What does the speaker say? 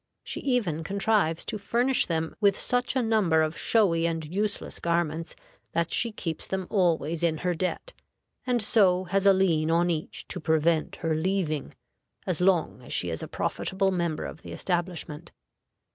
She even contrives to furnish them with such a number of showy and useless garments that she keeps them always in her debt, and so has a lien on each to prevent her leaving as long as she is a profitable member of the establishment.